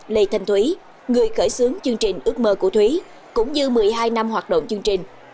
lê thanh thúy người khởi xướng chương trình ước mơ của thúy cũng như một mươi hai năm hoạt động chương trình